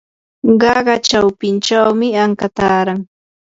qaqa chawpinchawmi anka taaran.